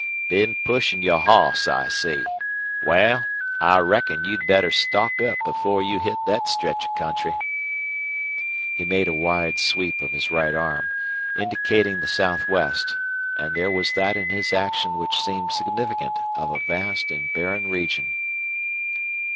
"Been pushin' your hoss, I see. Wal, I reckon you'd better stock up before you hit thet stretch of country." He made a wide sweep of his right arm, indicating the southwest, and there was that in his action which seemed significant of a vast and barren region.